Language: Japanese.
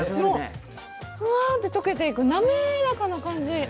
ふわって溶けていく、なめらかな感じ。